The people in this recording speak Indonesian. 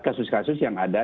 kasus kasus yang ada